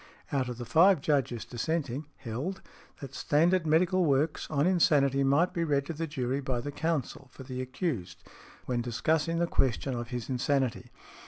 out of the five Judges dissenting,) held, that standard medical works on insanity might be read to the jury by the counsel for the accused, when |104| discussing the question of his insanity.